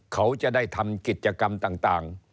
เขาจะได้ทำกิจกรรมต่าง